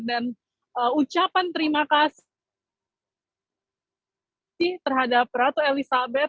dan ucapan terima kasih terhadap ratu elizabeth